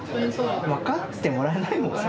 分かってもらえないもんね。